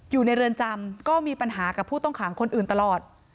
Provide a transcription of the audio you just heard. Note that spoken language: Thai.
อยู่ในเรือนจำก็มีปัญหากับผู้ต้องขังคนอื่นตลอด